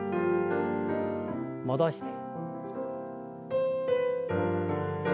戻して。